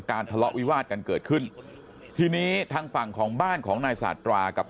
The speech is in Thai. ทะเลาะวิวาดกันเกิดขึ้นทีนี้ทางฝั่งของบ้านของนายสาธารากับ